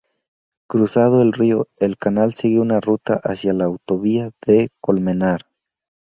Cruzado el río, el canal sigue una ruta hacia la autovía de Colmenar.